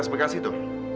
tower berkas itu